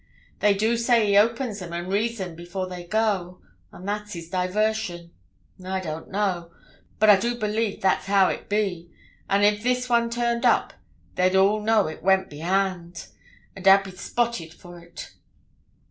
They do say he opens 'em, and reads 'em before they go; an' that's his diversion. I don't know; but I do believe that's how it be; an' if this one turned up, they'd all know it went be hand, and I'd be spotted for't.'